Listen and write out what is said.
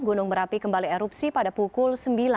gunung merapi kembali erupsi pada pukul sembilan